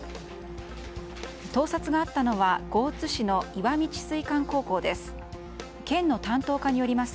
盗撮があったのが江津市の石見智翠館高校です。